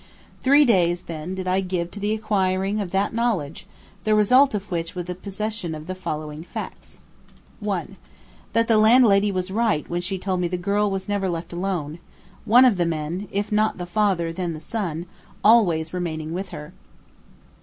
Three days, then, did I give to the acquiring of that knowledge, the result of which was the possession of the following facts. 1. That the landlady was right when she told me the girl was never left alone, one of the men, if not the father then the son, always remaining with her.